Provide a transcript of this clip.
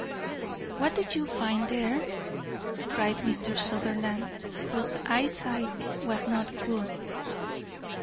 "What do you find there?" cried Mr. Sutherland, whose eyesight was not good.